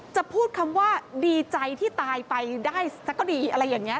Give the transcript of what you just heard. จะพูดคำว่าดีใจที่ตายไปได้สักก็ดีอะไรอย่างนี้